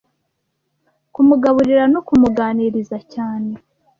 kumugaburira no kumuganiriza cyane